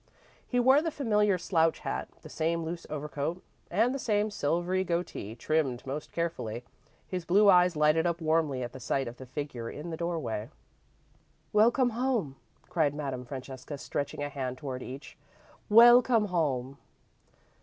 He wore the familiar slouch hat, the same loose overcoat, and the same silvery goatee, trimmed most carefully. His blue eyes lighted up warmly at the sight of the figure in the doorway. "Welcome home!" cried Madame Francesca, stretching a hand toward each. "Welcome home!"